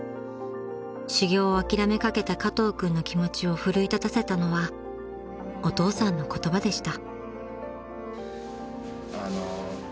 ［修業を諦めかけた加藤君の気持ちを奮い立たせたのはお父さんの言葉でした］